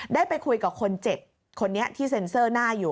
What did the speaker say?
ได้ไปคุยกับคนเจ็บคนนี้ที่เซ็นเซอร์หน้าอยู่